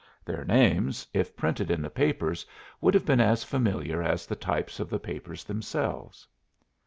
Their names if printed in the papers would have been as familiar as the types of the papers themselves.